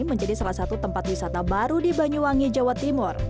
menjadi salah satu tempat wisata baru di banyuwangi jawa timur